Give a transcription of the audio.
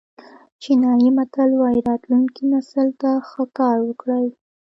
چینایي متل وایي راتلونکي نسل ته ښه کار وکړئ.